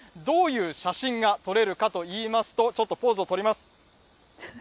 どういう写真が撮れるかといいますと、ちょっとポーズを取ります。